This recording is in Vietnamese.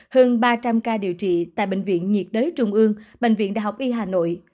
hơn ba trăm linh ca điều trị tại bệnh viện nhiệt đới trung ương bệnh viện đại học y hà nội